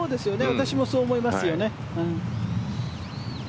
私もそう思いますよね。